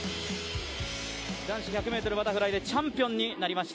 男子１００ｍのチャンピオンになりました、